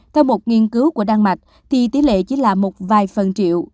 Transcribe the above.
theo một nghiên cứu của đan mạch thì tỷ lệ chỉ là một vài phần triệu